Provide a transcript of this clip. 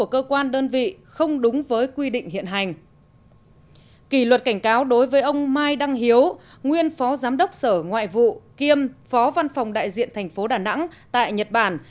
kỷ luật khiển trách đối với ông mai đăng hiếu nguyên phó giám đốc sở ngoại vụ kiêm phó văn phòng đại diện tp đà nẵng tại nhật bản